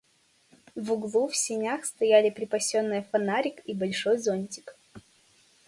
В углу в сенях стояли припасенные фонарик и большой зонтик.